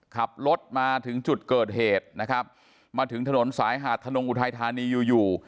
ขับรถมาถึงจุดเกิดเหตุนะครับมาถึงถนนสายหาดทนงอุทัยธานีอยู่อยู่